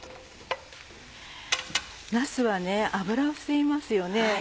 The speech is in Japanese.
なすは油を吸いますよね。